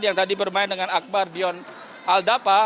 yang tadi bermain dengan akbar dion aldapa